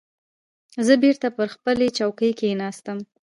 زه بېرته پر خپلې چوکۍ کېناستم.